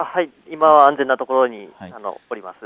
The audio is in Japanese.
今は安全な所におります。